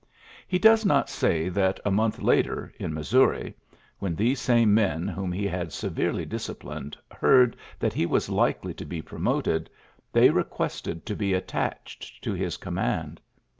He does not say that a month later, in Missouri, when these same men whom he had severely disciplined heard that he was likely to be promoted, they requested to be attached to his com mand.